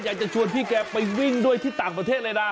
อยากจะชวนพี่แกไปวิ่งด้วยที่ต่างประเทศเลยนะ